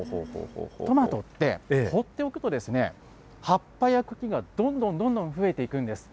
トマトって、ほっておくと葉っぱや茎がどんどんどんどん増えていくんです。